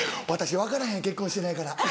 「私分からへん結婚してないから」。